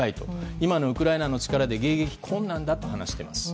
今のウクライナの力で迎撃は困難だと話しています。